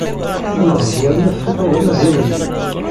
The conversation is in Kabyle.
Ad neṛju arma tfuked amahil-nnem.